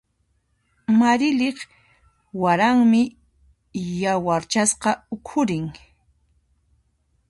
Marilyq waranmi yawarchasqa ukhurin.